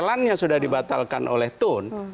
jalannya sudah dibatalkan oleh tun